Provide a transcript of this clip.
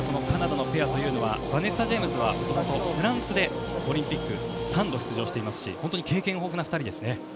カナダのペアというのはバネッサ・ジェイムスはフランスでオリンピック３度出場していますし本当に経験豊富な２人ですね。